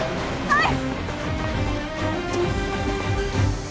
はい！